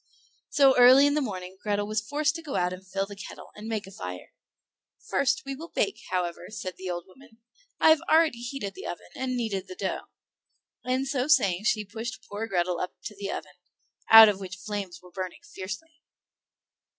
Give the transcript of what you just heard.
So early in the morning Grethel was forced to go out and fill the kettle, and make a fire. "First we will bake, however," said the old woman; "I have already heated the oven and kneaded the dough"; and so saying she pushed poor Grethel up to the oven, out of which the flames were burning fiercely.